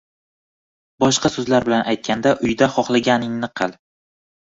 Boshqa so‘zlar bilan aytganda, uyda xohlaganingni qil.